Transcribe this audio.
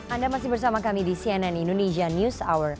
anda masih bersama kami di cnn indonesia news hour